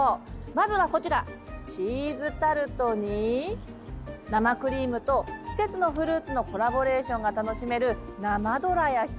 まずはこちら、チーズタルトに生クリームと季節のフルーツのコラボレーションが楽しめる生どら焼き。